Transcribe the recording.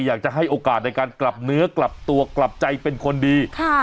อยากจะให้โอกาสในการกลับเนื้อกลับตัวกลับใจเป็นคนดี